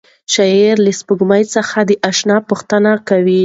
شاعر له سپوږمۍ څخه د اشنا پوښتنه کوي.